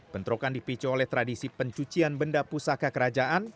bentrokan dipicu oleh tradisi pencucian benda pusaka kerajaan